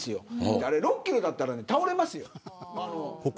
あれ６キロだったら倒れますよ。